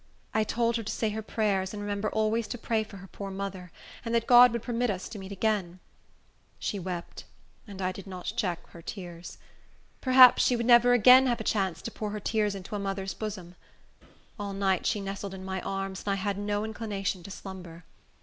I told her to say her prayers, and remember always to pray for her poor mother, and that God would permit us to meet again. She wept, and I did not check her tears. Perhaps she would never again have a chance to pour her tears into a mother's bosom. All night she nestled in my arms, and I had no inclination to slumber.